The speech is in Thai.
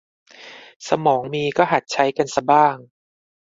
สมองมีก็หัดใช้กันซะบ้าง